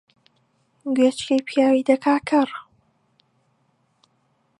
گوێچکەی پیاوی دەکا کەڕ